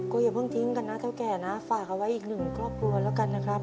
อย่าเพิ่งทิ้งกันนะเท่าแก่นะฝากเอาไว้อีกหนึ่งครอบครัวแล้วกันนะครับ